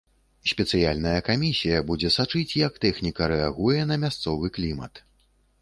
Спецыяльная камісія будзе сачыць, як тэхніка рэагуе на мясцовы клімат.